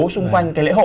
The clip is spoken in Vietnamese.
xung quanh cái lễ hội